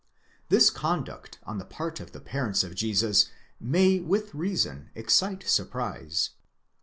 This conduct on the part of the parents of Jesus may with reason excite surprise.